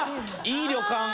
いい旅館。